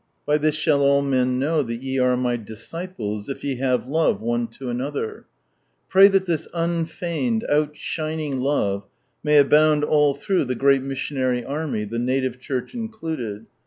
" By this shall all men know that ye are My disciples if ye have love one to another !" Pray that this unfeigned outshining love may abound all through the great missionary army, the native Church included.